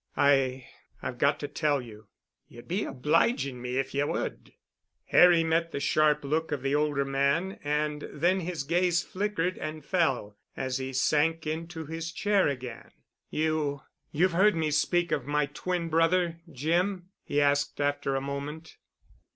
"I—I've got to tell you." "Ye'd be obliging me if ye would." Harry met the sharp look of the older man and then his gaze flickered and fell as he sank into his chair again. "You—you've heard me speak of my twin brother, Jim?" he asked after a moment.